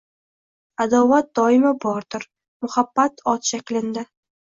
Adovat doimo bordir, muhabbat ot shaklinda